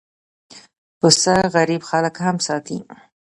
پسه غریب خلک هم ساتي.